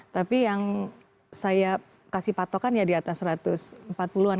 tapi yang saya kasih patokan ya di atas satu ratus empat puluh an